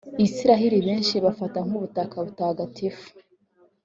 Isiraheli benshi bafata nk’ubutaka butagatifu